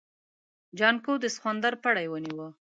جانکو د سخوندر پړی ونيو.